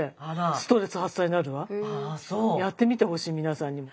やってみてほしい皆さんにも。